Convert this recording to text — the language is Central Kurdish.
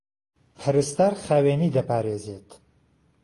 پهرستار خاوێنیی دهپارێزێت